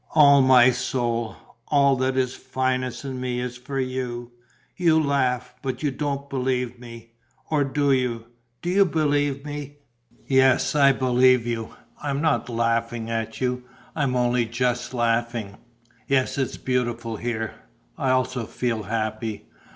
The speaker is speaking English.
All my soul, all that is finest in me is for you. You laugh, but you don't believe me. Or do you? Do you believe me?" "Yes, I believe you, I am not laughing at you, I am only just laughing.... Yes, it is beautiful here.... I also feel happy.